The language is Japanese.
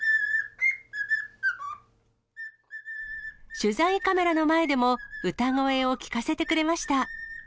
取材カメラの前でも、歌声を聴かせてくれました。